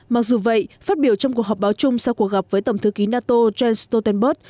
mặc dù vậy phát biểu trong cuộc họp báo chung sau cuộc gặp với tổng thư ký nato jens stoltenberg